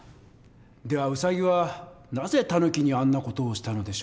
ではウサギはなぜタヌキにあんな事をしたのでしょう？